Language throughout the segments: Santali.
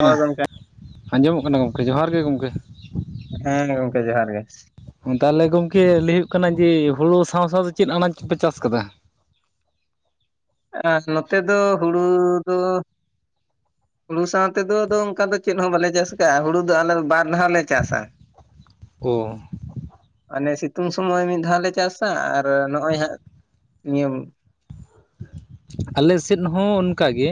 ᱦᱳᱭ ᱜᱚᱝᱠᱮ ᱟᱸᱡᱚᱢᱚᱜ ᱠᱟᱱᱟ ᱜᱚᱝᱠᱮ ᱡᱚᱦᱟᱨ ᱜᱮ ᱜᱚᱝᱠᱮ ᱦᱮᱸ ᱜᱚᱝᱠᱮ ᱡᱚᱦᱟᱨ ᱜᱮ ᱛᱟᱦᱚᱞᱮ ᱜᱚᱝᱠᱮ ᱞᱟᱹᱭ ᱦᱩᱭᱩᱜ ᱠᱟᱱᱟ ᱡᱮ ᱦᱩᱲᱩ ᱥᱟᱶ ᱥᱟᱶᱛᱮ ᱪᱮᱫ ᱟᱱᱟᱡᱽ ᱯᱮ ᱪᱟᱥ ᱠᱟᱫᱟ? ᱱᱚᱛᱮ ᱫᱚ ᱦᱩᱲᱩ ᱫᱚ ᱦᱩᱲᱩ ᱥᱟᱶᱛᱮ ᱫᱚ ᱚᱱᱠᱟ ᱫᱚ ᱪᱮᱫ ᱦᱚᱸ ᱵᱟᱞᱮ ᱪᱟᱥ ᱠᱟᱜᱼᱟ ᱦᱩᱲᱩ ᱫᱚ ᱟᱞᱮ ᱵᱟᱨ ᱫᱷᱟᱣ ᱞᱮ ᱪᱟᱥᱟ [inaudible] ᱚ ᱚᱱᱮ ᱥᱤᱛᱩᱝ ᱥᱚᱢᱚᱭ ᱢᱤᱫ ᱫᱷᱟᱣ ᱞᱮ ᱪᱟᱥᱟ ᱟᱨ ᱱᱚᱜᱼᱚᱭ ᱦᱟᱸᱜ ᱱᱤᱭᱟᱹ ᱟᱞᱮ ᱥᱮᱫ ᱦᱚᱸ ᱚᱱᱠᱟ ᱜᱮ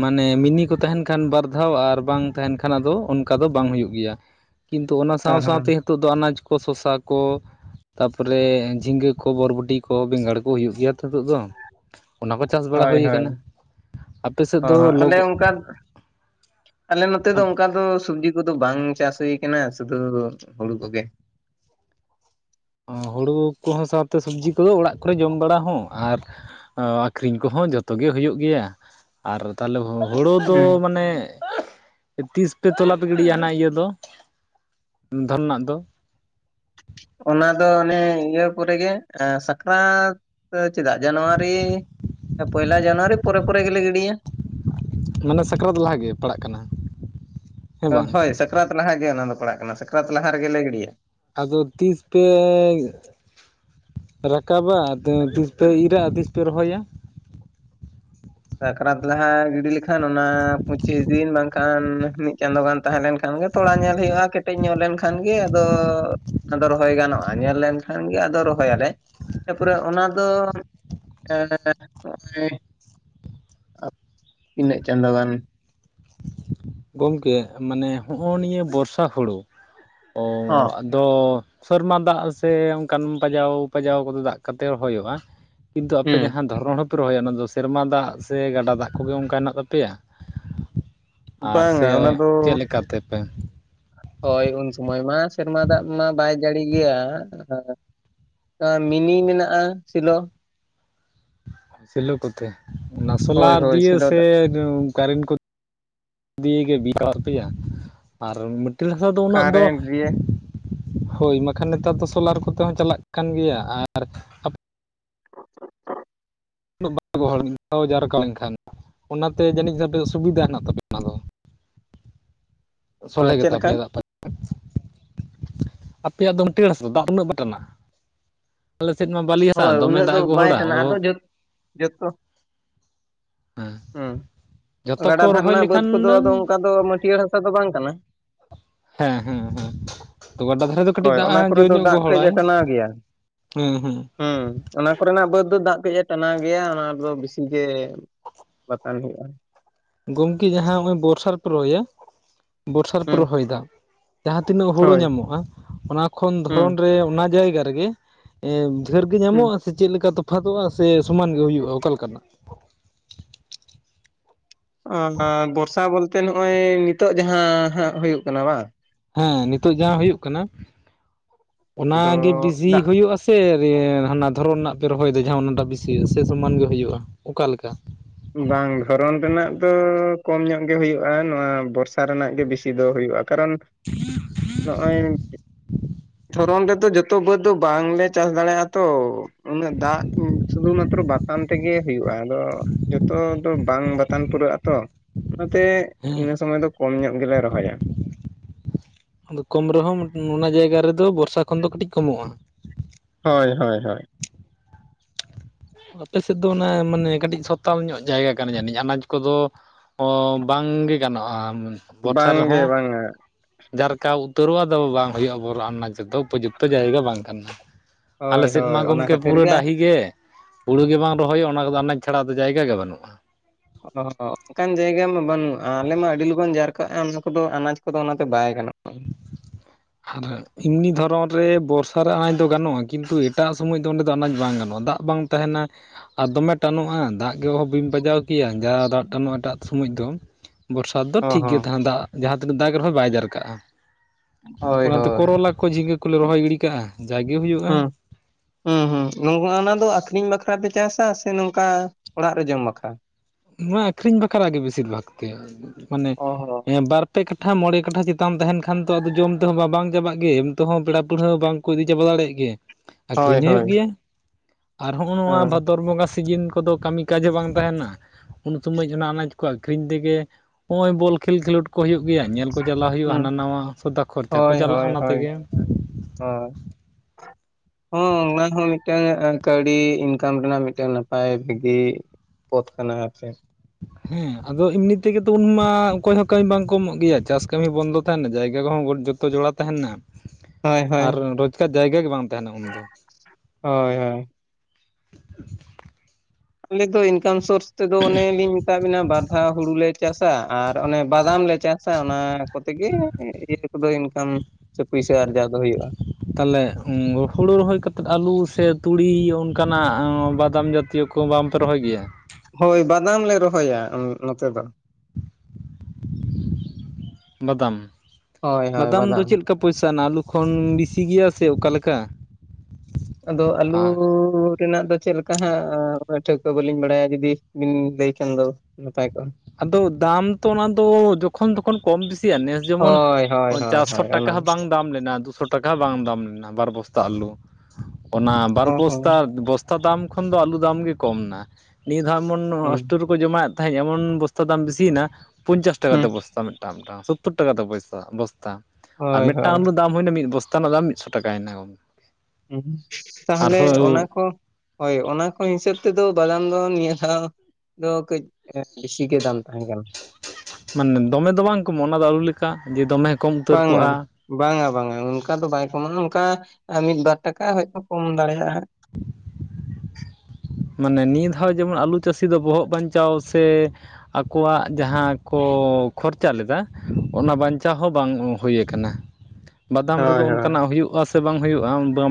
ᱢᱟᱱᱮ ᱢᱤᱱᱤ ᱠᱚ ᱛᱟᱸᱦᱮᱱ ᱠᱷᱟᱱ ᱵᱟᱨ ᱫᱷᱟᱣ ᱟᱨ ᱵᱟᱝ ᱛᱟᱸᱦᱮᱱ ᱠᱷᱟᱱ ᱟᱫᱚ ᱚᱱᱠᱟ ᱫᱚ ᱵᱟᱝ ᱦᱩᱭᱩᱜ ᱜᱮᱭᱟ ᱠᱤᱱᱛᱩ ᱚᱱᱟ ᱚ ᱥᱟᱶ ᱦᱚᱸ ᱥᱟᱶᱛᱮ ᱱᱤᱛᱚᱜ ᱫᱚ ᱟᱱᱟᱡᱽ ᱠᱚ ᱥᱚᱥᱟ ᱠᱚ ᱛᱟᱯᱚᱨᱮ ᱡᱷᱤᱸᱜᱟᱹ ᱠᱚ ᱵᱚᱨᱵᱚᱴᱤ ᱠᱚ ᱵᱮᱸᱜᱟᱲ ᱠᱚ ᱦᱩᱭᱩᱜ ᱜᱮᱭᱟ ᱛᱚ ᱱᱤᱛᱚᱜ ᱫᱚ ᱚᱱᱟ ᱠᱚ ᱪᱟᱥ ᱵᱟᱲᱟ ᱦᱳᱭ ᱦᱩᱭᱩ ᱦᱳᱭ ᱠᱟᱱᱟ ᱟᱯᱮ ᱥᱮᱫ ᱚ ᱫᱚ ᱟᱞᱮ ᱞᱚᱜᱚ ᱚᱱᱠᱟ ᱟᱞᱮ ᱱᱚᱛᱮ ᱫᱚ ᱚᱱᱠᱟ ᱫᱚ ᱥᱚᱵᱽᱡᱤ ᱠᱚᱫᱚ ᱵᱟᱝ ᱪᱟᱥ ᱦᱩᱭ ᱟᱠᱟᱱᱟ, ᱥᱩᱫᱷᱩ ᱦᱩᱲᱩ ᱠᱚᱜᱮ᱾ ᱦᱩᱲᱩ ᱠᱚᱦᱚᱸ ᱥᱟᱶᱛᱮ ᱥᱚᱵᱽᱡᱤ ᱠᱚᱫᱚ ᱚᱲᱟᱜ ᱠᱚᱨᱮ ᱡᱚᱢ ᱵᱟᱲᱟ ᱦᱚᱸ ᱟᱨ ᱟᱹᱠᱷᱨᱤᱧ ᱠᱚᱦᱚᱸ ᱡᱚᱛᱚ ᱜᱮ ᱦᱩᱭᱩᱜ ᱜᱮᱭᱟ, ᱟᱨ ᱛᱟᱦᱚᱞᱮ ᱦᱩᱲᱩ ᱫᱚ ᱦᱩᱸ ᱢᱟᱱᱮ ᱛᱤᱥ ᱯᱮ ᱛᱚᱞᱟ ᱯᱮ ᱜᱤᱰᱜᱭᱟ ᱚᱱᱟ ᱤᱭᱟᱹ ᱫᱚ ᱫᱷᱚᱨ ᱱᱟᱜ ᱫᱚ, ᱚᱱᱟ ᱫᱚ ᱚᱱᱮ ᱤᱭᱟᱹ ᱯᱚᱨᱮ ᱜᱮ ᱮ ᱥᱟᱠᱨᱟᱛ ᱮ ᱪᱮᱫᱟᱜ ᱡᱟᱱᱩᱣᱟᱨᱤ ᱯᱚᱭᱞᱟ ᱡᱟᱱᱩᱣᱟᱨᱤ ᱯᱚᱨᱮ ᱯᱚᱨᱮ ᱜᱮᱞᱮ ᱜᱤᱰᱤᱭᱟ, ᱢᱟᱱᱮ ᱥᱟᱠᱨᱟᱛ ᱞᱟᱦᱟᱜᱮ ᱯᱟᱲᱟᱜ ᱠᱟᱱᱟ, ᱦᱮᱸ ᱵᱟᱝ ᱦᱳᱭ ᱥᱟᱠᱨᱟᱛ ᱞᱟᱦᱟᱜᱮ ᱚᱱᱟ ᱫᱚ ᱯᱟᱲᱟᱜ ᱠᱟᱱᱟ ᱥᱟᱠᱨᱟᱛ ᱞᱟᱦᱟ ᱨᱮᱜᱮ ᱞᱮ ᱜᱤᱰᱤᱭᱟ ᱟᱫᱚ ᱛᱤᱥ ᱯᱮ ᱨᱟᱠᱟᱵᱟ ᱟᱫᱚ ᱛᱤᱥ ᱯᱮ ᱤᱨᱟ ᱛᱤᱥ ᱯᱮ ᱨᱚᱦᱚᱭᱟ? ᱥᱟᱠᱨᱟᱛ ᱞᱟᱦᱟ ᱜᱤᱰᱤ ᱞᱮᱠᱷᱟᱱ ᱚᱱᱟ ᱯᱩᱸᱪᱤᱥ ᱫᱤᱱ ᱵᱟᱝ ᱠᱷᱟᱱ ᱢᱤᱫ ᱪᱟᱸᱫᱳ ᱜᱟᱱ, ᱛᱟᱦᱮᱸ ᱞᱮᱱᱠᱷᱟᱱ ᱜᱮ ᱛᱷᱚᱲᱟ ᱧᱮᱞ ᱦᱩᱭᱩᱜᱼᱟ, ᱠᱮᱴᱮᱡ ᱧᱚᱜ ᱞᱮᱱᱠᱷᱟᱱ ᱜᱮ ᱟᱫᱚᱼᱼᱼ ᱚᱱᱟᱫᱚ ᱨᱚᱦᱚᱭ ᱜᱟᱱᱚᱜᱼᱟ ᱧᱮᱞ ᱞᱮᱱᱠᱷᱟᱱ ᱜᱮ ᱟᱫᱚ ᱨᱚᱦᱚᱭ ᱟᱞᱮ ᱛᱟᱨᱯᱚᱨᱮ ᱚᱱᱟ ᱫᱚ [unintelligible] [inaudible] ᱤᱱᱟᱹᱜ ᱪᱟᱸᱫᱳ ᱜᱟᱱ, ᱜᱚᱝᱠᱮ ᱢᱟᱱᱮ ᱦᱚᱸᱜᱼᱚ ᱱᱤᱭᱟᱹ ᱵᱚᱨᱥᱟ ᱦᱩᱲᱩ ᱦᱚᱸ ᱫᱚ ᱥᱮᱨᱢᱟ ᱫᱟᱜ ᱥᱮ ᱚᱱᱠᱟᱱ ᱯᱟᱡᱟᱣ, ᱯᱟᱡᱟᱣ ᱠᱚᱫᱚ ᱫᱟᱜ ᱠᱟᱛᱮ ᱨᱚᱦᱚᱭᱚᱜᱼᱟ᱾ ᱠᱤᱱᱛᱩ ᱟᱯᱮ ᱦᱩᱸ ᱡᱟᱦᱟᱸ ᱫᱷᱚᱨᱚᱱ ᱦᱳᱲᱳ ᱯᱮ ᱨᱚᱦᱚᱭᱟ ᱚᱱᱟ ᱫᱚ ᱥᱮᱨᱢᱟ ᱫᱟᱜ ᱥᱮ ᱜᱟᱰᱟ ᱫᱟᱜ ᱠᱚᱜᱮ ᱚᱱᱠᱟ ᱦᱮᱱᱟᱜ ᱛᱟᱯᱮᱭᱟ ᱟᱨ ᱥᱮ ᱵᱟᱝᱟ ᱚᱱᱟ ᱫᱚ ᱪᱮᱫ ᱞᱮᱠᱟ ᱛᱮᱯᱮ- ᱦᱳᱭ ᱩᱱ ᱥᱚᱢᱚᱭ ᱢᱟ ᱥᱮᱨᱢᱟ ᱫᱟᱜ ᱢᱟ ᱵᱟᱭ ᱡᱟᱹᱲᱤ ᱜᱮᱭᱟ᱾ᱦᱮᱸ ᱟ ᱢᱤᱱᱤ ᱢᱮᱱᱟᱜᱼᱟ ᱥᱮᱞᱳ, ᱥᱮᱞᱳ ᱠᱚᱛᱮ, ᱚᱱᱟ ᱦᱳᱭ ᱥᱚᱞᱟᱨ ᱦᱳᱭ ᱫᱤᱭᱮ ᱥᱮᱞᱚ ᱥᱮ ᱫᱟᱜ ᱠᱟᱨᱮᱱᱴ ᱠᱚ ᱫᱤᱭᱮ ᱜᱮ [inaudible] ᱯᱮᱭᱟ ᱟᱨ ᱢᱟᱹᱴᱤᱭᱟ. ᱲ ᱦᱟᱥᱟ ᱫᱚ ᱩᱱᱟᱹᱜ ᱫᱚ ᱠᱟᱨᱮᱱᱴ ᱫᱤᱭᱮ ᱦᱳᱭ ᱵᱟᱠᱷᱟᱱ ᱱᱮᱛᱟᱨ ᱫᱚ ᱥᱳᱞᱟᱨ ᱠᱚᱛᱮ ᱦᱚᱸ ᱪᱟᱞᱟᱜ ᱠᱟᱱ ᱜᱮᱭᱟ, ᱟᱨ ᱟᱯᱮ ᱩᱱᱟ. ᱜ [unintelligible] ᱜᱚᱦᱚᱲ ᱡᱟᱨᱠᱟᱣ ᱞᱮᱱᱠᱷᱟᱱ ᱚᱱᱟᱛᱮ ᱡᱟᱹᱱᱤᱡ ᱟᱯᱮᱫᱚ ᱥᱩᱵᱤᱫᱷᱟ ᱦᱮᱱᱟᱜ ᱛᱟᱯᱮᱭᱟ ᱚᱱᱟ ᱫᱚ᱾ ᱥᱚᱞᱦᱮ ᱜᱮ ᱪᱮᱫ ᱞᱮᱠᱟ ᱛᱟᱯᱮᱭᱟ [unintelligible] ᱟᱯᱮᱭᱟᱜ ᱫᱚ ᱢᱟ. ᱴᱤᱭᱟ. ᱲ ᱦᱟᱥᱟ ᱫᱟᱜ ᱩᱱᱟᱹᱜ ᱵᱟᱴᱟᱱᱟᱜ-ᱟ, ᱟᱞᱮ ᱥᱮᱫ ᱢᱟ ᱵᱟᱹᱞᱤ ᱦᱟᱥᱟ ᱦᱳᱭ ᱫᱚᱢᱮ ᱩᱱᱟᱹᱜ ᱫᱟᱜ ᱮ ᱫᱚ ᱵᱟᱭ ᱜᱚᱦᱚᱲᱟ ᱴᱟᱱᱟ ᱚ ᱟᱫᱚ ᱡᱚᱛ ᱡᱚᱛᱚ ᱦᱮᱸ ᱦᱩᱸ ᱡᱚᱛᱚ ᱜᱟᱰᱟ ᱠᱚ ᱨᱚᱦᱚᱭ ᱫᱷᱟᱨᱮᱱᱟᱜ ᱞᱮᱠᱷᱟᱱ ᱵᱟᱹᱫᱽ ᱠᱚᱫᱚ ᱟᱫᱚ ᱚᱱᱠᱟ ᱫᱚ ᱢᱟᱹᱴᱤᱭᱟᱹᱲ ᱦᱟᱥ ᱦᱟᱥᱟ ᱫᱚ ᱵᱟᱝ ᱠᱟᱱᱟ ᱦᱮᱸ ᱦᱮᱸ ᱦᱮᱸ ᱛᱚ ᱜᱟᱰᱟ ᱫᱷᱟᱨᱮ ᱫᱚ ᱠᱟᱹᱴᱤᱡ ᱦᱳᱭ ᱫᱟᱜ ᱚᱱᱟ ᱠᱚᱨᱮ ᱡᱳᱨ ᱫᱚ ᱧᱚᱜ ᱫᱟᱜ ᱜᱚᱦᱚᱲᱟᱭ, ᱦᱮᱸ ᱦᱩᱸ, ᱦᱮᱸ ᱚᱱᱟ ᱠᱚᱨᱮᱱᱟᱜ ᱵᱟᱹᱫᱽ ᱫᱚ ᱫᱟᱜ ᱠᱟᱹᱡ ᱮ ᱴᱟᱱᱟᱣ ᱜᱮᱭᱟ ᱚᱱᱟ ᱨᱮᱫᱚ ᱵᱮᱥᱤ ᱜᱮ ᱵᱟᱛᱟᱱ ᱦᱩᱭᱩᱜᱼᱟ, ᱜᱚᱢᱠᱮ ᱡᱟᱦᱟᱸ ᱱᱚᱜ-ᱚᱭ ᱵᱚᱨᱥᱟ ᱨᱮᱯᱮ ᱨᱚᱦᱚᱭᱟ ᱵᱚᱨᱥᱟ ᱨᱮᱯᱮ ᱦᱩᱸ ᱨᱚᱦᱚᱭ ᱫᱟ, ᱡᱟᱦᱟᱸ ᱛᱤᱱᱟᱹᱜ ᱦᱩᱲᱩ ᱦᱳᱭ ᱧᱟᱢᱚᱜᱼᱟ ᱚᱱᱟ ᱠᱷᱚᱱ ᱦᱩᱸ ᱫᱷᱚᱨᱚᱱ ᱨᱮ ᱚᱱᱟ ᱡᱟᱭᱜᱟ ᱨᱮᱜᱮ, ᱰᱷᱮᱨ ᱜᱮ ᱦᱩᱸ ᱧᱟᱢᱚᱜᱼᱟ ᱥᱮ ᱪᱮᱫ ᱞᱮᱠᱟ ᱛᱚᱯᱷᱟᱛᱚᱜᱼᱟ ᱥᱮ ᱥᱚᱢᱟᱱ ᱜᱮ ᱦᱩᱭᱩᱜᱼᱟ, ᱚᱠᱟ ᱞᱮᱠᱟᱱᱟᱜ? ᱟ ᱵᱚᱨᱥᱟ ᱵᱚᱞᱛᱮ ᱱᱚᱜᱼᱚᱭ ᱱᱤᱛᱚᱜ ᱡᱟᱦᱟᱸ ᱦᱟᱸᱜ ᱦᱩᱭᱩᱜ ᱠᱟᱱᱟ ᱵᱟᱝ, ᱦᱮᱸ ᱱᱤᱛᱚᱜ ᱡᱟᱦᱟᱸ ᱦᱩᱭᱩᱜ ᱠᱟᱱᱟ ᱚᱱᱟ ᱟᱫᱚ ᱜᱮ ᱵᱤᱡᱤ ᱫᱟᱜ ᱦᱩᱭᱩᱜᱼᱟ, ᱥᱮ [inaudible] ᱦᱟᱱᱟ ᱫᱷᱚᱨᱚᱱ ᱨᱮᱱᱟᱜ ᱯᱮ ᱨᱚᱦᱚᱭ ᱮᱫᱟ ᱡᱟᱦᱟᱸ ᱚᱱᱟᱴᱟᱜ ᱵᱮᱥᱤ ᱦᱩᱭᱩᱜᱼᱟ ᱥᱮ ᱥᱚᱢᱟᱱ ᱜᱮ ᱦᱩᱭᱩᱜᱼᱟ ᱚᱠᱟᱞᱮᱠᱟ, ᱵᱟᱝ ᱫᱷᱚᱨᱚᱱ ᱨᱮᱱᱟᱜ ᱫᱚ ᱠᱚᱢ ᱧᱚᱜ ᱜᱮ ᱦᱩᱭᱩᱜᱼᱟ ᱱᱚᱣᱟ ᱵᱚᱨᱥᱟ ᱨᱮᱱᱟᱜ ᱜᱮ ᱵᱤᱥᱤ ᱫᱚ ᱦᱩᱭᱩᱜᱼᱟ, ᱠᱟᱨᱚᱱ ᱱᱚᱜ-ᱚᱭ ᱫᱷᱚᱨᱚᱱ ᱜᱮᱛᱚ ᱡᱚᱛ ᱛᱚ ᱵᱟᱹᱫᱽ ᱫᱚ ᱵᱟᱝᱞᱮ ᱪᱟᱥ ᱫᱟᱲᱮᱭᱟᱜ-ᱟ ᱛᱚ, ᱩᱱᱟᱹᱜ ᱫᱟᱜ ᱥᱩᱫᱷᱩ ᱢᱟᱛᱨᱚ ᱵᱟᱛᱟᱱ ᱛᱮᱜᱮ ᱦᱩᱭᱩᱜᱼᱟ ᱟᱫᱚ ᱡᱚᱛᱚ ᱫᱚ ᱵᱟᱝ ᱵᱟᱛᱟᱱ ᱯᱩᱨᱟᱹᱜ-ᱟ ᱛᱚ ᱚᱱᱟᱛᱮ ᱦᱮᱸ ᱤᱱᱟᱹ ᱥᱚᱢᱚᱭ ᱫᱚ ᱠᱚᱢ ᱧᱚᱜ ᱜᱮᱞᱮ ᱨᱚᱦᱚᱭᱟ, ᱟᱫᱚ ᱠᱚᱢ ᱨᱮᱦᱚᱸ ᱚᱱᱟ ᱡᱟᱭᱜᱟ ᱨᱮᱫᱚ ᱵᱚᱨᱥᱟ ᱠᱷᱚᱱ ᱫᱚ ᱠᱟᱹᱴᱤᱡ ᱠᱚᱢᱚᱜ-ᱟ ᱦᱳᱭ ᱦᱳᱭ ᱦᱳᱭ ᱟᱯᱮ ᱥᱮᱫ ᱫᱚ ᱚᱱᱟ ᱢᱟᱱᱮ ᱠᱟᱹᱴᱤᱡ ᱥᱚᱛᱟᱞ ᱧᱚᱜ ᱡᱟᱭᱜᱟ ᱠᱟᱱᱟ ᱡᱟᱹᱱᱤᱡ ᱟᱱᱟᱡᱽ ᱠᱚᱫᱚ ᱵᱟᱝ ᱜᱮ ᱜᱟᱱᱚᱜᱼᱟ ᱵᱚᱨᱥᱟ ᱵᱟᱝᱜᱮ ᱨᱮᱦᱚᱸ? ᱵᱟᱝᱟ ᱡᱟᱨᱠᱟᱶ ᱩᱛᱟᱹᱨᱚᱜ-ᱟ ᱫᱚ ᱵᱟᱝ ᱦᱩᱭᱩᱜ-ᱟ ᱵᱚᱨ ᱫᱚ ᱩᱯᱚᱡᱩᱠᱛᱚ ᱡᱟᱭᱜᱟ ᱵᱟᱝ ᱠᱟᱱᱟ ᱟᱞᱮ ᱦᱳᱭ ᱥᱮᱫ ᱢᱟ ᱦᱳᱭ ᱚᱱᱟ ᱜᱚᱢᱠᱮ ᱠᱷᱟᱹᱛᱤᱨ ᱯᱩᱨᱟᱹ ᱰᱟᱦᱤ ᱜᱮ ᱦᱩᱲᱩ ᱜᱮ ᱵᱟᱝ ᱨᱚᱦᱚᱭᱚᱜ-ᱟ ᱚᱱᱟ ᱠᱚᱫᱚ ᱟᱱᱟᱡᱽ ᱪᱷᱟᱲᱟ ᱫᱚ ᱡᱟᱭᱜᱟ ᱜᱮ ᱵᱟᱹᱱᱩᱜ-ᱟ ᱚ ᱚᱱᱠᱟᱱ ᱡᱟᱭᱜᱟ ᱢᱟ ᱵᱟᱹᱱᱩᱜ-ᱟ ᱟᱞᱮ ᱢᱟ ᱟᱹᱰᱤ ᱞᱚᱜᱚᱱ ᱡᱟᱨᱠᱟᱜ-ᱟ ᱚᱱᱟ ᱠᱚᱫᱚ ᱟᱱᱟᱡᱽ ᱠᱚᱫᱚ ᱚᱱᱟᱛᱮ ᱵᱟᱭ ᱜᱟᱱᱚᱜ-ᱟ ᱟᱫᱚ ᱮᱢᱱᱤ ᱫᱷᱚᱨᱚᱱ ᱨᱮ ᱵᱚᱨᱥᱟ ᱨᱮ ᱟᱱᱟᱡᱽ ᱫᱚ ᱜᱟᱱᱚᱜ-ᱟ ᱠᱤᱱᱛᱩ ᱮᱴᱟᱜ ᱥᱚᱢᱚᱭ ᱫᱚ ᱚᱸᱰᱮ ᱫᱚ ᱟᱱᱟᱡᱽ ᱵᱟᱝ ᱜᱟᱱᱚᱜ-ᱟ ᱫᱟᱜ ᱵᱟᱝ ᱛᱟᱦᱮᱱᱟ ᱟᱨ ᱫᱚᱢᱮ ᱴᱟᱱᱚᱜ-ᱟ ᱫᱟᱜ ᱜᱮᱦᱚᱸ ᱵᱟᱹᱧ ᱵᱟᱡᱟᱣ ᱜᱮᱭᱟ ᱫᱟᱜ ᱴᱟᱱᱚᱜ-ᱟ ᱮᱴᱟᱜ ᱥᱚᱢᱚᱭ ᱫᱚ ᱵᱚᱨᱥᱟ ᱫᱚ ᱚ ᱴᱷᱤᱠ ᱜᱮ ᱦᱚᱸ ᱛᱟᱦᱮᱱᱟ ᱫᱟᱜ ᱡᱟᱦᱟᱸ ᱛᱤᱱᱟᱹᱜ ᱫᱟᱜ ᱨᱮᱦᱚᱸ ᱵᱟᱭ ᱡᱟᱨᱠᱟᱜᱼᱟ᱾ ᱦᱳᱭ ᱚᱱᱟᱛᱮ ᱦᱳᱭ ᱠᱚᱨᱚᱞᱟ ᱠᱚ ᱡᱷᱤᱸᱜᱟᱹ ᱠᱚᱞᱮ ᱨᱚᱦᱚᱭ ᱜᱤᱰᱤ ᱠᱟᱜ-ᱟ ᱡᱟᱜᱮ ᱦᱩᱭᱩᱜ-ᱟ ᱦᱩᱸ ᱦᱩᱸ ᱦᱩᱸ ᱚᱱᱟ ᱫᱚ ᱟᱠᱷᱨᱤᱧ ᱵᱟᱠᱷᱨᱟ ᱯᱮ ᱪᱟᱥᱟ ᱥᱮ ᱱᱚᱝᱠᱟ ᱚᱲᱟᱜ ᱨᱮ ᱡᱚᱢ ᱵᱟᱠᱷᱨᱟ ᱱᱚᱣᱟ ᱟᱹᱠᱷᱨᱤᱧ ᱵᱟᱠᱷᱨᱟ ᱜᱮ ᱵᱮᱥᱤᱨ ᱵᱷᱟᱜᱽ ᱛᱮ ᱢᱟᱱᱮ ᱚ ᱦᱚᱸ ᱵᱟᱨ ᱯᱮ ᱠᱟᱴᱷᱟ ᱢᱚᱬᱮ ᱠᱟᱴᱷᱟ ᱪᱮᱛᱟᱱ ᱛᱟᱦᱮᱱ ᱠᱷᱟᱱ ᱫᱚ ᱡᱚᱢ ᱛᱮᱦᱚᱸ ᱵᱟᱝ ᱵᱟᱝ ᱪᱟᱵᱟᱜ ᱜᱮ, ᱮᱱᱛᱮᱦᱚᱸ ᱯᱮᱲᱟ ᱯᱟᱹᱲᱦᱟᱹ ᱵᱟᱝᱠᱚ ᱤᱫᱤ ᱪᱟᱵᱟ ᱫᱟᱲᱮᱭᱟᱜ ᱜᱮᱭᱟ᱾ ᱦᱳᱭ ᱟᱹᱠᱷᱨᱤᱧ ᱦᱳᱭ ᱦᱩᱭᱩᱜ ᱜᱮᱭᱟ ᱟᱨ ᱦᱚᱦᱚ ᱱᱚᱣᱟ ᱦᱮᱸ ᱵᱷᱟᱫᱚᱨ ᱵᱚᱸᱜᱟ ᱥᱮ ᱥᱤᱡᱤᱱ ᱠᱚᱫᱚ ᱠᱟᱹᱢᱤ ᱠᱟᱡ ᱦᱚ ᱵᱟᱝ ᱛᱟᱦᱮᱱᱟ ᱩᱱ ᱥᱚᱢᱚᱭ ᱚᱱᱟ ᱟᱱᱟᱡᱽ ᱠᱚ ᱟᱠᱷᱨᱤᱧ ᱛᱮᱜᱮ ᱱᱚᱜ-ᱚᱭ ᱵᱚᱞ ᱠᱷᱮᱞ ᱠᱷᱮᱞᱳᱰ ᱠᱚ ᱦᱩᱭᱩᱜ ᱜᱮᱭᱟ ᱧᱮᱞ ᱠᱚ ᱪᱟᱞᱟᱣ ᱦᱩᱭᱩᱜ-ᱟ ᱦᱩᱸ ᱦᱟᱱᱟ ᱱᱟᱣᱟ ᱥᱚᱫᱟ ᱠᱷᱚᱨᱪᱟ ᱠᱚ ᱪᱟᱞᱟᱜ-ᱟ ᱚᱱᱟ ᱛᱮᱜᱮ ᱳ [inaudible] ᱦᱚ ᱚᱱᱟ ᱦᱚ ᱢᱤᱫᱴᱟᱝ ᱠᱟᱹᱣᱰᱤ ᱤᱱᱠᱟᱢ ᱨᱮᱱᱟᱜ ᱢᱤᱫᱴᱟᱝ ᱱᱟᱯᱟᱭ ᱜᱮ ᱯᱚᱫ ᱠᱟᱱᱟ ᱟᱨ ᱪᱮᱫ ᱦᱮᱸ ᱟᱫᱚ ᱮᱢᱱᱤ ᱛᱮᱜᱮ ᱛᱚ ᱩᱱᱢᱟ ᱚᱠᱚᱭ ᱦᱚᱸ ᱠᱟᱹᱢᱤ ᱵᱟᱝ ᱠᱚ ᱮᱢᱚᱜ ᱜᱮᱭᱟ ᱪᱟᱥ ᱠᱟᱹᱢᱤ ᱵᱚᱱᱫᱚ ᱛᱟᱦᱮᱱᱟ ᱡᱟᱭᱜᱟ ᱠᱚᱦᱚᱸ ᱡᱚᱛᱚ ᱛᱚ ᱡᱚᱲᱟ ᱛᱟᱦᱮᱱᱟ ᱦᱳᱭ ᱦᱳᱭ ᱟᱨ ᱨᱳᱡᱽᱜᱟᱨ ᱡᱟᱭᱜᱟ ᱜᱮ ᱵᱟᱝ ᱛᱟᱦᱮᱱᱟ ᱩᱱᱫᱚ᱾ ᱦᱳᱭ ᱦᱳᱭ [inaudible] ᱟᱞᱮ ᱫᱚ ᱤᱱᱠᱟᱢ ᱥᱳᱨᱥ ᱛᱮᱫᱚ ᱚᱱᱮ ᱞᱤᱱ ᱢᱮᱛᱟ ᱵᱤᱱᱟ ᱵᱟᱨᱫᱷᱟ ᱦᱩᱲᱩ ᱞᱮ ᱪᱟᱥ ᱟ ᱟᱨ ᱚᱱᱮ ᱵᱟᱫᱟᱢ ᱞᱮ ᱪᱟᱥᱟ ᱚᱱᱟ ᱠᱚᱛᱮᱜᱮ ᱤᱭᱟᱹ ᱠᱚᱫᱚ ᱤᱱᱠᱟᱢ ᱥᱮ ᱯᱩᱭᱥᱟᱹ ᱟᱨᱡᱟᱣ ᱫᱚ ᱦᱩᱭᱩᱜ-ᱟ ᱛᱟᱦᱚᱞᱮ ᱦᱩᱲᱩ ᱨᱚᱦᱚᱭ ᱠᱟᱛᱮᱫ ᱟᱹᱞᱩ ᱥᱮ ᱛᱩᱲᱤ ᱚᱱᱠᱟᱱᱟᱜ ᱵᱟᱫᱟᱢ ᱡᱟᱹᱛ ᱪᱮᱫ ᱠᱚ ᱵᱟᱢ ᱯᱮ ᱨᱚᱦᱚᱭ ᱜᱮᱭᱟ ᱦᱳᱭ ᱵᱟᱫᱟᱢ ᱞᱮ ᱨᱚᱦᱚᱭᱟ ᱱᱚᱛᱮ ᱫᱚ ᱵᱟᱫᱟᱢ ᱦᱳᱭ ᱦᱳᱭ ᱵᱟᱫᱟᱢ ᱫᱚ ᱪᱮᱫ ᱯᱚᱭᱥᱟ ᱟᱞᱩ ᱠᱷᱚᱱ ᱵᱤᱥᱤ ᱜᱮᱭᱟ ᱥᱮ ᱚᱠᱟᱞᱮᱠᱟ ᱟᱫᱚ ᱟᱞᱩᱻᱻᱻ ᱨᱮᱱᱟᱜ ᱫᱚ ᱪᱮᱫ ᱞᱮᱠᱟ ᱦᱟᱜ ᱩᱱᱟᱜ ᱴᱟᱜ ᱫᱚ ᱵᱟᱹᱞᱤᱧ ᱵᱟᱲᱟᱭᱟ ᱡᱩᱫᱤ ᱵᱤᱱ ᱞᱟᱹᱭ ᱠᱷᱟᱱ ᱫᱚ ᱱᱟᱯᱟᱭ ᱠᱚᱜ-ᱟ ᱟᱫᱚ ᱫᱟᱢ ᱛᱚ ᱚᱱᱟ ᱫᱚ ᱡᱚᱠᱷᱚᱱ ᱛᱚᱠᱷᱚᱱ ᱠᱚᱢ ᱵᱮᱥᱤᱜᱼᱟ ᱱᱮᱥ ᱡᱮᱢᱚᱱ ᱦᱳᱭ ᱦᱳᱭ ᱦᱳᱭ ᱪᱟᱨᱥᱚ ᱦᱳᱭ ᱴᱟᱠᱟ ᱦᱚ ᱚᱱᱟᱜᱮ ᱵᱟᱝ ᱫᱟᱢ ᱞᱮᱱᱟ ᱫᱩᱥᱚ ᱴᱟᱠᱟ ᱴᱟᱠᱟ ᱵᱟᱝ ᱫᱟᱢ ᱞᱮᱱᱟ ᱵᱟᱨ ᱵᱚᱥᱛᱟ ᱟᱞᱩ ᱚᱱᱟ ᱵᱟᱨ ᱚ ᱦᱳᱭ ᱵᱚᱥᱛᱟ ᱵᱚᱥᱛᱟ ᱫᱟᱢ ᱠᱷᱚᱱ ᱫᱚ ᱟᱞᱩ ᱫᱟᱢ ᱜᱮ ᱠᱚᱢᱼᱱᱟ, ᱱᱤᱭᱟᱹ ᱫᱷᱟᱣ ᱮᱢᱚᱱ ᱦᱩᱸ ᱚᱥᱴᱚᱨ ᱨᱮᱠᱚ ᱡᱚᱢᱟᱭᱮᱫ ᱛᱟᱦᱮᱸᱫ ᱮᱢᱚᱱ ᱵᱚᱥᱛᱟ ᱫᱟᱢ ᱵᱤᱥᱤᱭᱮᱱᱟ ᱯᱚᱧᱪᱟᱥ ᱴᱟᱠᱟ ᱦᱩᱸ ᱛᱮ ᱵᱚᱥᱛᱟ ᱢᱤᱫᱴᱟᱝ ᱢᱤᱫᱴᱟᱝ ᱥᱳᱛᱛᱚᱨ ᱴᱟᱠᱟ ᱛᱮ ᱵᱚᱥᱛᱟ ᱟᱨ ᱦᱳᱭ ᱢᱤᱫᱴᱟᱝ ᱦᱳᱭ ᱟᱞᱩ ᱫᱟᱢ ᱦᱩᱭᱱᱟ ᱢᱤᱫ ᱵᱚᱥᱛᱟ ᱨᱮᱱᱟᱜ ᱫᱟᱢ ᱢᱤᱫᱥᱚ ᱴᱟᱠᱟᱮᱱᱟ ᱛᱟᱦᱚᱞᱮ ᱚᱱᱟ ᱠᱚ ᱦᱳᱭ ᱚᱱᱟ ᱠᱚ ᱦᱤᱥᱟᱹᱵ ᱛᱮᱫᱚ ᱵᱟᱫᱟᱢ ᱫᱚ ᱱᱤᱭᱟᱹ ᱫᱷᱟᱣ ᱫᱚ ᱠᱟᱹᱡ ᱵᱮᱥᱤ ᱜᱮ ᱫᱟᱢ ᱛᱟᱦᱮ ᱠᱟᱱᱟ ᱢᱟᱱᱮ ᱫᱚᱢᱮ ᱫᱚ ᱵᱟᱝ ᱠᱚᱢᱚᱜ-ᱟ ᱚᱱᱟ ᱫᱚ ᱟᱹᱞᱩ ᱞᱮᱠᱟ ᱜᱮ ᱫᱚᱢᱮ ᱠᱚᱢ ᱩᱛᱟᱹᱨ ᱠᱚᱜᱼᱟ [unintelligible] ᱵᱟᱝᱟ ᱵᱟᱝᱟ, ᱚᱱᱠᱟ ᱫᱚ ᱵᱟᱭ ᱠᱚᱢᱟᱜ ᱚᱱᱠᱟ ᱢᱤᱫ ᱵᱟᱨ ᱴᱟᱠᱟ ᱦᱚᱭᱛᱚ ᱠᱚᱢ ᱫᱟᱲᱮᱭᱟᱜᱼᱟ ᱦᱟᱜ᱾ [inaudible] ᱢᱟᱱᱮ ᱱᱤᱭᱟᱹ ᱫᱷᱟᱣ ᱡᱮᱢᱚᱱ ᱟᱹᱞᱩ ᱪᱟᱹᱥᱤ ᱫᱚ ᱵᱚᱦᱚᱜ ᱵᱟᱧᱪᱟᱣ ᱥᱮ ᱟᱠᱚᱣᱟᱜ ᱡᱟᱦᱟᱸ ᱠᱚ ᱠᱷᱚᱨᱪᱟ ᱞᱮᱫᱟ, ᱚᱱᱟ ᱵᱟᱧᱪᱟᱣ ᱦᱚᱸ ᱵᱟᱝ ᱦᱩᱭᱩ ᱟᱠᱟᱱᱟ᱾ ᱵᱟᱫᱟᱢ ᱨᱮᱫᱚ ᱦᱳᱭ ᱦᱳᱭ ᱚᱱᱠᱟᱱᱟᱜ ᱦᱩᱭᱩᱜᱼᱟ ᱥᱮ ᱵᱟᱝ ᱦᱩᱭᱩᱜᱼᱟ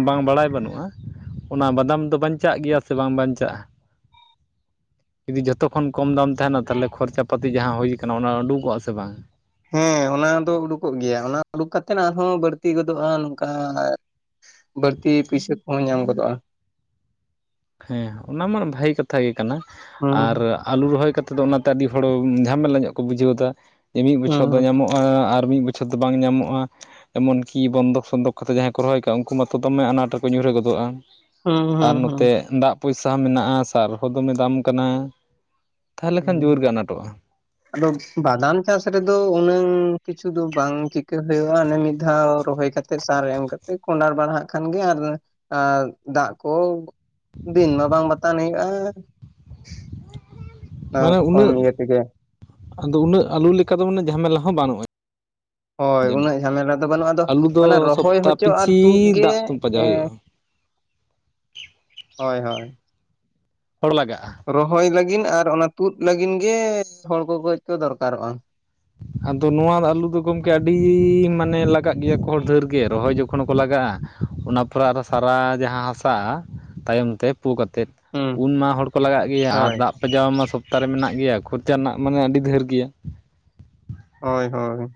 ᱵᱟᱝ ᱵᱟᱲᱟᱭ ᱵᱟᱹᱱᱩᱜᱼᱟ, ᱚᱱᱟ ᱵᱟᱫᱟᱢ ᱫᱚ ᱵᱟᱧᱪᱟᱜ ᱜᱮᱭᱟ ᱥᱮ ᱵᱟᱝ? ᱵᱟᱧ ᱪᱟᱜᱼᱟ᱾ ᱡᱩᱫᱤ ᱡᱷᱚᱛᱚ ᱠᱷᱚᱱ ᱠᱚᱢ ᱫᱟᱢ ᱛᱟᱦᱚᱞᱮ ᱠᱷᱚᱨᱪᱟ ᱯᱟᱹᱛᱤ ᱡᱟᱦᱟᱸ ᱦᱩᱭ ᱠᱟᱱᱟ ᱚᱱᱟ ᱩᱰᱩᱠᱚᱜ ᱟ ᱥᱮ ᱵᱟᱝ? ᱦᱮᱸ ᱚᱱᱟ ᱫᱚ ᱩᱰᱩᱠᱚᱜ ᱜᱮᱭᱟ, ᱚᱱᱟ ᱩᱰᱩᱠ ᱠᱟᱛᱮᱫ ᱟᱨᱦᱚᱸ ᱵᱟᱹᱲᱛᱤ ᱜᱚᱫᱚᱜᱼᱟ᱾ ᱱᱚᱝᱠᱟ ᱵᱟᱹᱲᱛᱤ ᱯᱩᱭᱥᱟᱹ ᱠᱚᱦᱚᱸ ᱧᱟᱢ ᱜᱚᱫᱚᱜᱼᱟ᱾ ᱦᱮᱸ ᱚᱱᱟ ᱢᱟ ᱵᱷᱟᱹᱜᱤ ᱠᱟᱛᱷᱟ ᱜᱮ ᱠᱟᱱᱟ, ᱟᱨ ᱦᱩᱸ ᱟᱞᱩ ᱨᱚᱦᱚᱭ ᱠᱟᱛᱮᱫ ᱫᱚ ᱚᱱᱟᱛᱮ ᱟᱹᱰᱤ ᱦᱚᱲ ᱡᱷᱟᱢᱮᱞᱟ ᱧᱚᱜ ᱠᱚ ᱵᱩᱡᱷᱟᱹᱣ ᱫᱟ, ᱢᱤᱫ ᱵᱚᱪᱷᱚᱨ ᱫᱚ ᱦᱩᱸ ᱧᱟᱢᱚᱜ ᱮᱸ ᱟᱨ ᱢᱤᱫ ᱵᱚᱪᱷᱚᱨ ᱫᱚ ᱵᱟᱝ ᱧᱟᱢᱚᱜᱼᱟ᱾ ᱮᱢᱚᱱ ᱠᱤ ᱵᱚᱱᱫᱚᱠ ᱥᱚᱱᱫᱚᱠ ᱠᱟᱛ ᱡᱟᱦᱟᱸᱭ ᱠᱚ ᱨᱚᱦᱚᱭ ᱟᱠᱟᱟᱜᱼᱟ ᱩᱱᱠᱩ ᱢᱟᱛᱚ ᱫᱚᱢᱮ ᱟᱱᱟᱴ ᱨᱮᱠᱚ ᱧᱩᱨᱦᱟᱹ ᱜᱚᱫᱚᱜᱼᱟ᱾ ᱦᱩᱸ ᱟᱨ ᱦᱩᱸ ᱱᱚᱛᱮ ᱦᱩᱸ ᱫᱟᱜ ᱯᱚᱭᱥᱟ ᱦᱚᱸ ᱢᱮᱱᱟᱜᱼᱟ ᱥᱟᱨ ᱦᱚᱸ ᱫᱚᱢᱮ ᱫᱟᱢ ᱠᱟᱱᱟ ᱛᱟᱦᱚᱞᱮ ᱠᱷᱟᱱ ᱦᱩᱸ ᱡᱳᱨ ᱜᱮ ᱟᱱᱟᱴᱚᱜᱼᱟ ᱟᱫᱚ ᱵᱟᱫᱟᱢ ᱪᱟᱥ ᱨᱮᱫᱚ ᱩᱱᱟᱹᱝ ᱠᱤᱪᱷᱩ ᱫᱚ ᱵᱟᱝ ᱪᱤᱠᱟᱹ ᱦᱩᱭᱩᱜᱼᱟ ᱚᱱᱮ ᱢᱤᱫ ᱫᱷᱟᱣ ᱨᱚᱦᱚᱭ ᱠᱟᱛᱮ ᱥᱟᱨ ᱮᱢ ᱠᱟᱛᱮ ᱠᱚᱸᱰᱟᱨ ᱵᱟᱲᱦᱟᱜ ᱠᱷᱟᱱ ᱜᱮ ᱟᱨ ᱫᱟᱜ ᱠᱚ ᱫᱤᱱ ᱢᱟ ᱵᱟᱝ ᱵᱟᱛᱟᱱ ᱦᱩᱭᱩᱜᱼᱟ᱾ ᱢᱟᱱᱮ ᱠᱚᱢ ᱩᱱᱟᱹᱜ ᱤᱭᱟᱹ ᱛᱮᱜᱮ ᱟᱫᱚ ᱩᱱᱟᱹᱜ ᱟᱹᱞᱩ ᱞᱮᱠᱟ ᱫᱚ ᱢᱟᱱᱮ ᱡᱷᱟᱢᱮᱞᱟ ᱦᱚᱸ ᱵᱟᱹᱱᱩᱜᱼᱟ ᱦᱳᱭ ᱡᱟᱹᱱᱤᱡ ᱩᱱᱟᱹᱜ ᱡᱷᱟᱢᱮᱞᱟ ᱫᱚ ᱵᱟᱹᱱᱩᱜᱼᱟ ᱟᱫᱚ ᱟᱹᱞᱩ ᱫᱚ ᱚᱱᱟ ᱨᱚᱦᱚᱭ ᱥᱚᱯᱛᱟ ᱦᱚᱪᱚ ᱟᱨ ᱯᱤᱪᱷᱤ ᱛᱩᱫ ᱜᱮ ᱫᱟᱜ ᱠᱚ ᱯᱟᱸᱡᱟᱣ ᱮᱸ ᱦᱩᱭᱩᱜᱼᱟ᱾ ᱦᱳᱭ ᱦᱳᱭ ᱦᱚᱲ ᱞᱟᱜᱟᱜᱼᱟ᱾ ᱨᱚᱦᱚᱭ ᱞᱟᱹᱜᱤᱫ ᱟᱨ ᱚᱱᱟ ᱛᱩᱫ ᱞᱟᱹᱜᱤᱫ ᱜᱮ ᱦᱚᱲ ᱠᱚ ᱠᱟᱹᱡ ᱠᱚ ᱫᱚᱨᱠᱟᱨᱚᱜᱼᱟ ᱟᱫᱚ ᱱᱚᱣᱟ ᱟᱹᱞᱩ ᱫᱚ ᱜᱚᱢᱠᱮ ᱟᱹᱰᱤ ᱢᱟᱱᱮ ᱞᱟᱜᱟᱜ ᱜᱮᱭᱟ ᱠᱚ ᱦᱚᱲ ᱰᱷᱮᱨ ᱜᱮ ᱨᱚᱦᱚᱭ ᱡᱚᱠᱷᱚᱱ ᱦᱚᱸᱠᱚ ᱞᱟᱜᱟᱜᱼᱟ᱾ ᱚᱱᱟ ᱯᱚᱨᱮ ᱟᱨᱚ ᱥᱟᱨᱟ ᱡᱟᱦᱟᱸ ᱦᱟᱥᱟᱜ-ᱟ ᱛᱟᱭᱚᱢ ᱛᱮ ᱯᱩ ᱠᱟᱛᱮᱫ ᱦᱩᱸ ᱩᱱ ᱢᱟ ᱦᱚᱲ ᱠᱚ ᱞᱟᱜᱟᱜ ᱜᱮᱭᱟ ᱟᱨ ᱦᱳᱭ ᱫᱟᱜ ᱯᱟᱡᱟᱣ ᱢᱟ ᱥᱚᱯᱛᱟ ᱨᱮ ᱢᱮᱱᱟᱜ ᱜᱮᱭᱟ ᱠᱷᱚᱨᱪᱟ ᱨᱮᱱᱟᱜ ᱢᱟᱱᱮ ᱟᱹᱰᱤ ᱰᱷᱮᱨ ᱜᱮᱭᱟ ᱦᱳᱭ ᱦᱳᱭ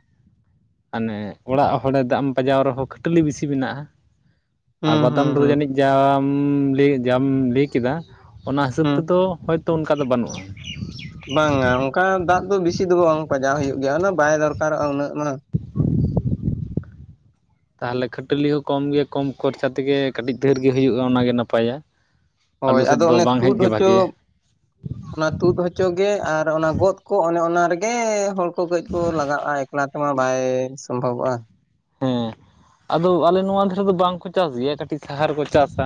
ᱟᱱᱮ ᱚᱲᱟᱜ ᱦᱚᱲᱮ ᱫᱟᱜ ᱮᱢ ᱯᱟᱡᱟᱣ ᱨᱮᱦᱚᱸ ᱠᱷᱟᱹᱴᱟᱹᱞᱤ ᱵᱤᱥᱤ ᱢᱮᱱᱟᱜᱼᱟ᱾ ᱟᱨ ᱦᱩᱸ ᱵᱟᱫᱟᱢ ᱦᱩᱸ ᱨᱮᱫᱚ ᱦᱩᱸ ᱡᱟᱹᱱᱤᱡ ᱡᱟᱢ ᱞᱟᱹᱭ ᱡᱟᱢ ᱞᱟᱹᱭ ᱠᱮᱫᱟ ᱚᱱᱟ ᱦᱤᱥᱟᱹᱵ ᱦᱩᱸ ᱛᱮᱫᱚ ᱦᱚᱭ ᱛᱚ ᱚᱱᱠᱟ ᱫᱚ ᱵᱟᱹᱱᱩᱜ-ᱟ᱾ ᱵᱟᱝᱼᱟ ᱚᱱᱠᱟ ᱫᱟᱜ ᱫᱚ ᱵᱤᱥᱤ ᱫᱚ ᱵᱟᱝ ᱯᱟᱡᱟᱣ ᱦᱩᱭᱩᱜ ᱜᱮᱭᱟ ᱩᱱᱟᱹᱜ ᱵᱟᱭ ᱫᱚᱨᱠᱟᱨᱚᱜᱼᱟ ᱩᱱᱟᱹᱜ ᱢᱟᱱᱮ [unintelligible] ᱛᱟᱦᱚᱞᱮ ᱠᱷᱟᱹᱴᱟᱹᱞᱤ ᱦᱚᱸ ᱠᱚᱢ ᱜᱮ ᱠᱚᱢ ᱠᱷᱚᱨᱪᱟ ᱛᱮᱜᱮ ᱠᱟᱹᱴᱤᱡ ᱫᱷᱟᱹᱨ ᱜᱮ ᱦᱩᱭᱩᱜᱼᱟ ᱚᱱᱟᱜᱮ ᱱᱟᱯᱟᱭ-ᱟ᱾ ᱦᱳᱭ ᱟᱹᱞᱩ ᱥᱮᱫ ᱟᱫᱚ ᱫᱚ ᱚᱱᱮ ᱵᱟᱝ ᱦᱮᱡ ᱛᱩᱫ ᱜᱮ ᱦᱚᱪᱚ ᱵᱷᱟᱜᱮᱭᱟ ᱚᱱᱟ ᱛᱩᱫ ᱦᱚᱪᱚᱜᱮ ᱟᱨ ᱚᱱᱟ ᱜᱚᱫ ᱠᱚ ᱚᱱᱮ ᱚᱱᱟ ᱨᱮᱜᱮ ᱦᱚᱲ ᱠᱚ ᱠᱟᱹᱡ ᱠᱚ ᱞᱟᱜᱟᱜᱼᱟ᱾ ᱚᱱᱟ ᱛᱮᱢᱟ ᱵᱟᱭ ᱥᱚᱢᱵᱷᱚᱵᱚᱜᱼᱟ᱾ ᱦᱮᱸ ᱟᱫᱚ ᱟᱞᱮ ᱱᱚᱣᱟ ᱫᱷᱟᱨᱮ ᱫᱚ ᱵᱟᱝᱠᱚ ᱪᱟᱥ ᱜᱮᱭᱟ ᱠᱟᱹᱴᱤᱡ ᱥᱟᱦᱟ ᱨᱮ ᱠᱚ ᱪᱟᱥ-ᱟ᱾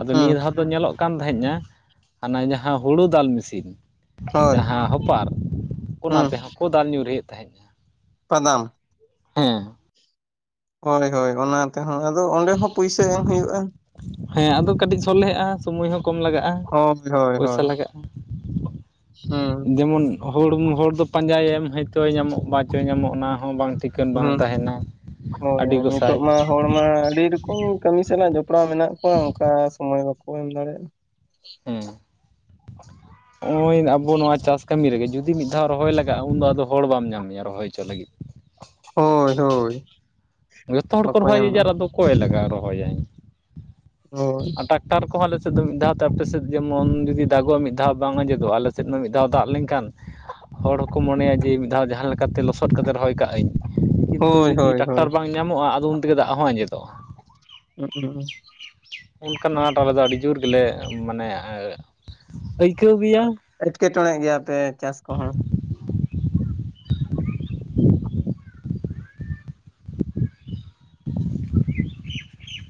ᱟᱫᱚ ᱱᱤᱭᱟᱹ ᱦᱩᱸ ᱫᱷᱟᱣ ᱫᱚ ᱧᱮᱞᱚᱜ ᱠᱟᱱ ᱛᱟᱦᱮᱼᱟ ᱦᱟᱱᱟ ᱡᱟᱦᱟᱸ ᱦᱳᱲᱩ ᱫᱟᱞ ᱢᱮᱥᱤᱱ ᱦᱳᱭ ᱡᱟᱦᱟᱸ ᱦᱚᱯᱟᱨ ᱚᱱᱟ ᱦᱩᱸ ᱛᱮᱦᱚᱸ ᱠᱚ ᱫᱟᱞ ᱧᱩᱨᱦᱤᱭᱮᱫ ᱛᱟᱦᱮᱸᱫ-ᱟ᱾ ᱯᱟᱫᱟᱢ ᱦᱮᱸ ᱦᱳᱭ ᱦᱳᱭ ᱚᱱᱟ ᱛᱮᱦᱚᱸ ᱟᱫᱚ ᱚᱸᱰᱮ ᱦᱚᱸ ᱯᱩᱭᱥᱟᱹ ᱮᱢ ᱦᱩᱭᱩᱜᱼᱟ ᱦᱮᱸ ᱟᱫᱚ ᱠᱟᱹᱴᱤᱡ ᱥᱚᱞᱦᱮᱜ-ᱟ ᱥᱚᱢᱚᱭ ᱦᱚᱸ ᱠᱚᱢ ᱞᱟᱜᱟᱜᱼᱟ ᱦᱳᱭ ᱦᱳᱭ ᱯᱚᱭᱹᱥᱟ ᱦᱳᱭ ᱞᱟᱜᱟᱜᱼᱟ᱾ ᱦᱩᱸ ᱡᱮᱢᱚᱱ ᱦᱚᱲᱼᱦᱚᱲ ᱫᱚ ᱯᱟᱸᱡᱟᱭ ᱮᱢ ᱦᱚᱭᱛᱚᱭ ᱧᱟᱢᱚᱜ ᱵᱟ ᱪᱚᱭ ᱧᱟᱢᱚᱜ ᱚᱱᱟ ᱦᱚᱸ ᱵᱟᱝ ᱴᱷᱤᱠ ᱠᱷᱟᱱ ᱵᱟᱝ ᱦᱩᱸ ᱛᱟᱦᱮᱱᱟ ᱦᱳᱭ ᱟᱹᱰᱤ ᱜᱚᱥᱟᱭ ᱱᱤᱛᱚᱜ ᱢᱟ ᱦᱚᱲ ᱟᱹᱰᱤ [unintelligible] ᱠᱟᱹᱢᱤ ᱥᱟᱞᱟᱜ ᱡᱚᱯᱲᱟᱣ ᱢᱮᱱᱟᱜ ᱠᱚᱣᱟ ᱚᱱᱠᱟ ᱥᱚᱢᱳᱚᱭ ᱵᱟᱠᱚ ᱮᱢ ᱫᱟᱲᱮᱭᱟᱜᱼᱟ᱾ ᱦᱮᱸ ᱱᱚᱜᱼᱚᱭ ᱟᱵᱚ ᱱᱚᱣᱟ ᱪᱟᱥ ᱠᱟᱹᱢᱤ ᱨᱮᱜᱮ ᱡᱩᱫᱤ ᱢᱤᱫ ᱫᱷᱟᱣ ᱨᱚᱦᱚᱭ ᱞᱟᱜᱟᱜᱼᱟ ᱩᱱᱫᱚ ᱟᱫᱚ ᱦᱚᱲ ᱵᱟᱢ ᱧᱟᱢᱮᱭᱟ ᱨᱚᱦᱚᱭ ᱦᱚᱪᱚ ᱞᱟᱹᱜᱤᱫ ᱦᱳᱭ ᱦᱳᱭ ᱡᱚᱛᱚ ᱦᱚᱲ ᱠᱚ ᱵᱟᱠᱚ ᱨᱚᱦᱚᱭᱟ ᱡᱮ ᱧᱟᱢᱟ ᱡᱟᱨ ᱟᱫᱚ ᱚᱠᱚᱭ ᱞᱟᱜᱟᱜᱼᱟ ᱨᱚᱦᱚᱭᱟ ᱦᱳᱭ ᱴᱟᱠᱴᱟᱨ ᱠᱚᱦᱚᱸ ᱟᱞᱮᱥᱮᱫ ᱫᱚ ᱢᱤᱫ ᱫᱷᱟᱣ ᱛᱮ ᱟᱯᱮ ᱥᱮᱫ ᱡᱮᱢᱚᱱ ᱡᱩᱫᱤ ᱫᱟᱜᱚᱜᱼᱟ ᱢᱤᱫ ᱫᱷᱟᱣ ᱵᱟᱝ ᱟᱡᱮᱫᱚᱜ ᱟᱞᱮ ᱥᱮᱫ ᱢᱟ ᱢᱤᱫ ᱫᱷᱟᱣ ᱫᱟᱜ ᱞᱮᱱᱠᱷᱟᱱ ᱦᱚᱲ ᱦᱚᱸᱠᱚ ᱢᱚᱱᱮᱭᱟ ᱡᱮ ᱢᱤᱫ ᱫᱷᱟᱣ ᱡᱟᱦᱟᱸ ᱞᱮᱠᱟᱛᱮ ᱞᱚᱥᱚᱫ ᱠᱟᱛᱮ ᱨᱚᱦᱚᱭ ᱠᱟᱜ-ᱟᱹᱧ ᱠᱤᱱᱛᱩ ᱦᱳᱭ ᱡᱩᱫᱤ ᱦᱳᱭ ᱴᱟᱠᱴᱟᱨ ᱦᱳᱭ ᱵᱟᱝ ᱧᱟᱢᱚᱜᱼᱟ ᱟᱫᱚ ᱩᱱ ᱛᱮᱜᱮ ᱫᱟᱜ ᱦᱚᱸ ᱟᱸᱡᱮᱫᱚᱜᱼᱟ [unintelligible] ᱚᱱᱠᱟᱱ ᱟᱸᱴ ᱟᱞᱮ ᱫᱚ ᱟᱹᱰᱤ ᱡᱳᱨ ᱜᱮᱞᱮ ᱢᱟᱱᱮ ᱟᱹᱭᱠᱟᱹᱣ ᱜᱮᱭᱟ ᱮᱴᱠᱮᱴᱚᱬᱮᱜ ᱜᱮᱭᱟᱯᱮ ᱪᱟᱥ ᱠᱚᱦᱚᱸ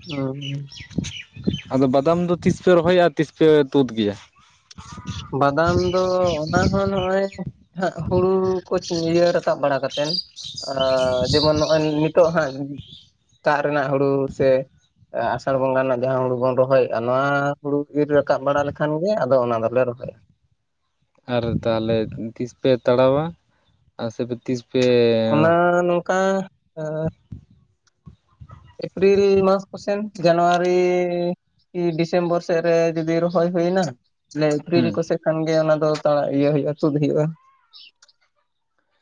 ᱦᱩᱸ ᱟᱫᱚ ᱵᱟᱫᱟᱢ ᱫᱚ ᱛᱤᱥ ᱯᱮ ᱨᱚᱦᱚᱭᱟ ᱛᱤᱥ ᱯᱮ ᱛᱩᱫᱽ ᱜᱮᱭᱟ ᱵᱟᱫᱟᱢ ᱫᱚ ᱚᱱᱟ ᱦᱚᱸ ᱱᱚᱜᱼᱚᱭ ᱦᱩᱲᱩ ᱠᱚ ᱪᱷᱩᱲᱤᱭᱟᱹ ᱨᱟᱠᱟᱵ ᱵᱟᱲᱟ ᱠᱟᱛᱮᱱ ᱡᱮᱢᱚᱱ ᱱᱚᱜᱼᱚᱭ ᱱᱤᱛᱚᱜ ᱦᱟᱸᱜ ᱫᱟᱜ ᱨᱮᱱᱟᱜ ᱦᱩᱲᱩ ᱥᱮ ᱟᱥᱟᱲ ᱵᱚᱸᱜᱟ ᱨᱮᱱᱟᱜ ᱡᱟᱦᱟᱸ ᱦᱩᱲᱩ ᱵᱚᱱ ᱨᱚᱦᱚᱭᱮᱫᱼᱟ ᱱᱚᱶᱟ ᱦᱩᱲᱩ ᱤᱨ ᱨᱟᱠᱟᱵ ᱵᱟᱲᱟ ᱞᱮᱠᱷᱟᱱ ᱜᱮ ᱟᱫᱚ ᱚᱱᱟ ᱫᱚ ᱵᱮ ᱨᱚᱦᱚᱭ ᱟᱨ ᱛᱟᱦᱚᱞᱮ ᱛᱤᱥ ᱯᱮ ᱛᱟᱲᱟᱣᱟ ᱟᱨ ᱥᱮᱯᱮ ᱛᱤᱥ ᱯᱮ ᱚᱱᱟ ᱱᱚᱝᱠᱟ ᱮᱸ ᱮᱯᱨᱤᱞ ᱢᱟᱥ ᱠᱚᱥᱮᱱ ᱡᱟᱱᱣᱟᱨᱤ ᱠᱤ ᱰᱤᱥᱮᱢᱵᱚᱨ ᱥᱮᱫ ᱨᱮ ᱡᱩᱫᱤ ᱨᱚᱦᱚᱭ ᱦᱩᱭᱱᱟ ᱞᱮ ᱮᱯᱨᱤᱞ ᱦᱩᱸ ᱠᱚᱥᱮᱫ ᱠᱷᱟᱱ ᱜᱮ ᱚᱱᱟ ᱫᱚ ᱛᱟᱲᱟᱜ ᱤᱭᱟᱹ ᱦᱩᱭᱩᱜᱼᱟ ᱛᱩᱫ ᱦᱩᱭᱩᱜᱼᱟ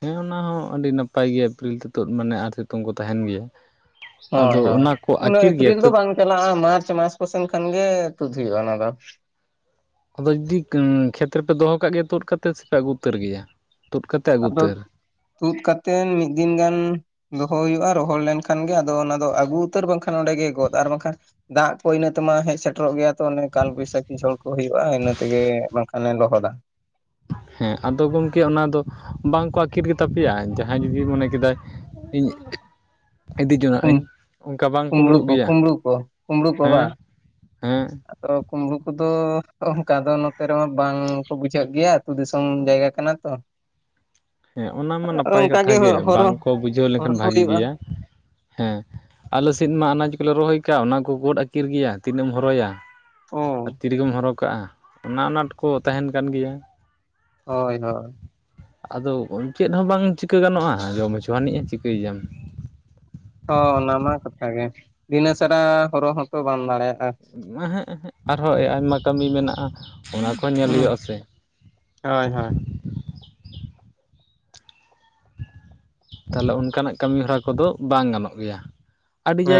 ᱦᱮᱸ ᱚᱱᱟ ᱦᱚᱸ ᱟᱹᱰᱤ ᱱᱟᱯᱟᱭ ᱜᱮᱭᱟ ᱮᱯᱨᱤᱞ ᱛᱤᱛ ᱢᱟᱱᱮ ᱟᱨ ᱥᱤᱛᱩᱝ ᱠᱚ ᱛᱟᱦᱮᱱ ᱜᱮᱭᱟ ᱦᱳᱭ ᱟᱫᱚ ᱦᱳᱭ ᱚᱱᱟ ᱠᱚ ᱩᱱᱟᱹᱜ ᱟᱹᱠᱤᱨ ᱜᱮᱭᱟ ᱮᱯᱨᱤᱞ ᱫᱚ ᱠᱷᱟᱹᱫ ᱵᱟᱝ ᱪᱟᱞᱟᱜᱼᱟ ᱢᱟᱨᱪ ᱢᱟᱥ ᱠᱚ ᱥᱮᱱ ᱠᱷᱟᱱᱜᱮ ᱛᱩᱫ ᱦᱩᱭᱩᱜᱼᱟ ᱚᱱᱟ ᱫᱚ ᱟᱫᱚ ᱡᱩᱫᱤ ᱠᱷᱮᱛ ᱨᱮᱯᱮ ᱫᱚᱦᱚ ᱠᱟᱜ ᱜᱮᱭᱟ ᱛᱩᱫ ᱠᱟᱛᱮ ᱥᱮᱯᱮ ᱟᱹᱜᱩ ᱩᱛᱟᱹᱨ ᱜᱮᱭᱟ ᱛᱩᱫ ᱠᱟᱛᱮ ᱟᱹᱜᱩ ᱟᱫᱚ ᱩᱛᱟᱹᱨ ᱛᱩᱫ ᱠᱟᱛᱮᱫ ᱢᱤᱫ ᱫᱤᱱ ᱜᱟᱱ ᱫᱚᱦᱚ ᱦᱩᱭᱩᱜᱼᱟ ᱨᱚᱦᱚᱲ ᱞᱮᱱᱠᱷᱟᱱᱜᱮ ᱟᱫᱚ ᱚᱱᱟ ᱫᱚ ᱟᱹᱜᱩ ᱩᱛᱟᱹᱨ ᱵᱟᱝᱠᱷᱟᱱ ᱚᱸᱰᱮᱜᱮ ᱜᱚᱫ ᱟᱨ ᱵᱟᱝᱠᱷᱟᱱ ᱫᱟᱜ ᱠᱚ ᱤᱱᱟᱹ ᱛᱮᱢᱟ ᱦᱮᱡ ᱥᱮᱴᱮᱨᱚᱜ ᱜᱮᱭᱟ ᱛᱚ ᱚᱱᱮ ᱠᱟᱞ ᱵᱚᱭᱥᱟᱠᱷᱤ ᱦᱚᱲ ᱠᱚ ᱦᱩᱭᱩᱜᱼᱟ ᱤᱱᱟᱹ ᱛᱮᱜᱮ ᱵᱟᱝᱠᱷᱟᱱᱮ ᱞᱚᱦᱚᱫᱟ ᱦᱮᱸ ᱟᱫᱚ ᱜᱚᱢᱠᱮ ᱚᱱᱟ ᱫᱚ ᱵᱟᱝᱠᱚ ᱟᱹᱠᱤᱨ ᱜᱮᱛᱟ ᱯᱮᱭᱟ ᱡᱟᱦᱟᱸᱭ ᱡᱩᱫᱤ ᱢᱚᱱᱮ ᱠᱮᱫᱟᱭ ᱤᱧ ᱤᱫᱤ ᱡᱚᱱᱟᱜ ᱠᱩᱢ ᱟᱹᱧ ᱚᱱᱠᱟ ᱵᱟᱝ ᱠᱩᱢᱲᱩ ᱠᱩᱢᱲᱩᱩᱜ ᱠᱚ ᱜᱮᱭᱟ ᱠᱩᱢᱲᱩ ᱠᱚ ᱠᱩᱢᱲᱩ ᱠᱚ ᱦᱮᱸ ᱵᱟᱝ ᱦᱮᱸ ᱟᱫᱚ ᱠᱩᱢᱵᱽᱲᱩ ᱠᱚᱫᱚ ᱚᱱᱠᱟ ᱫᱚ ᱱᱚᱛᱮ ᱨᱮᱢᱟ ᱵᱟᱝ ᱠᱚ ᱵᱩᱡᱷᱟᱹᱜ ᱜᱮᱭᱟ ᱟᱹᱛᱳ ᱫᱤᱥᱚᱢ ᱡᱟᱭᱜᱟ ᱠᱟᱱᱟ ᱛᱚ ᱦᱮᱸ ᱚᱱᱟ ᱢᱟ ᱟᱫᱚ ᱱᱟᱯᱟᱭ ᱚᱱᱠᱟ ᱠᱟᱛᱷᱟ ᱜᱮ ᱦᱚᱨᱚ ᱵᱟᱝᱠᱚ ᱵᱩᱡᱷᱟᱹᱣ ᱦᱚᱨᱚ ᱞᱮᱱᱠᱷᱟᱱ ᱵᱷᱟᱜᱮ ᱦᱩᱭᱩᱜᱼᱟ ᱜᱮᱭᱟ ᱦᱮᱸ ᱟᱞᱮ ᱥᱮᱫ ᱢᱟ ᱟᱱᱟᱡᱽ ᱠᱚᱞᱮ ᱨᱚᱦᱚᱭ ᱠᱟᱜᱼᱟ ᱚᱱᱟ ᱠᱚ ᱜᱚᱫ ᱟᱹᱠᱤᱨ ᱜᱮᱭᱟ ᱛᱤᱱᱟᱹᱜ ᱮᱢ ᱦᱚᱨᱚᱭᱟ ᱚ ᱟᱨ ᱛᱤ ᱨᱮᱜᱮᱢ ᱦᱚᱨᱚᱜ ᱠᱟᱜᱼᱟ ᱚᱱᱟ ᱟᱱᱟᱴ ᱠᱚ ᱛᱟᱦᱮᱱ ᱠᱟᱱ ᱜᱮᱭᱟ ᱦᱳᱭ ᱦᱳᱭ ᱟᱫᱚ ᱪᱮᱫ ᱦᱚᱸ ᱵᱟᱝ ᱪᱤᱠᱟᱹ ᱜᱟᱱᱚᱜᱼᱟ ᱡᱚᱢ ᱦᱚᱪᱚᱣ ᱟᱹᱱᱤᱡᱼᱟ ᱪᱤᱠᱟᱹᱭᱮᱟᱢ᱾ ᱦᱚᱸ ᱚᱱᱟ ᱢᱟ ᱠᱟᱛᱷᱟ ᱜᱮ ᱫᱤᱱᱟᱹᱥᱟᱨᱟ ᱦᱚᱨᱚ ᱦᱚᱸᱛᱚ ᱵᱟᱢ ᱫᱟᱲᱮᱭᱟᱜᱼᱟ ᱚᱦᱮᱸᱜ ᱚᱦᱮᱸᱜ ᱟᱨᱦᱚᱸ ᱟᱭᱢᱟ ᱠᱟᱹᱢᱤ ᱢᱮᱱᱟᱜᱼᱟ ᱚᱱᱟ ᱠᱚᱦᱚᱸ ᱧᱮᱞ ᱦᱩᱸ ᱦᱩᱭᱩᱜᱼᱟ ᱥᱮ ᱦᱳᱭ ᱦᱳᱭ ᱛᱟᱦᱚᱞᱮ ᱚᱱᱠᱟᱱᱟᱜ ᱠᱟᱹᱢᱤ ᱦᱚᱨᱟ ᱠᱚᱫᱚ ᱵᱟᱝ ᱜᱟᱱᱚᱜ ᱜᱮᱭᱟ ᱟᱹᱰᱤ ᱡᱟᱭᱜᱟ